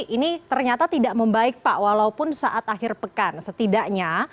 ini ternyata tidak membaik pak walaupun saat akhir pekan setidaknya